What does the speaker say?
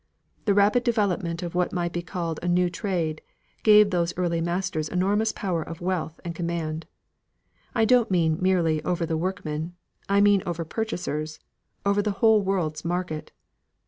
The rapid development of what might be called a new trade, gave those early masters enormous power of wealth and command. I don't mean merely over the workmen; I mean over purchasers over the whole world's market.